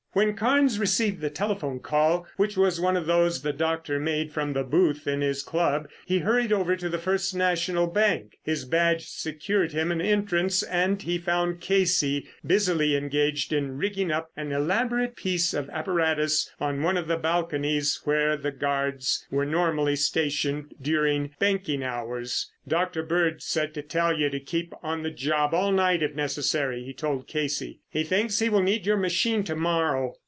When Carnes received the telephone call, which was one of those the doctor made from the booth in his club, he hurried over to the First National Bank. His badge secured him an entrance and he found Casey busily engaged in rigging up an elaborate piece of apparatus on one of the balconies where guards were normally stationed during banking hours. "Dr. Bird said to tell you to keep on the job all night if necessary," he told Casey. "He thinks he will need your machine to morrow."